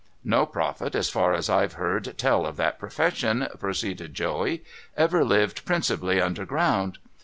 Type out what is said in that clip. ' No prophet, as far as I've heard tell of that profession,' pro ceeded Joey, ' ever lived principally underground.